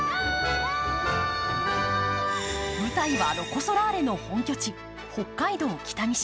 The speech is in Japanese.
舞台はロコ・ソラーレの本拠地、北海道北見市。